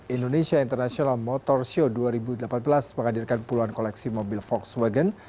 indonesia international motor show dua ribu delapan belas menghadirkan puluhan koleksi mobil volkswagen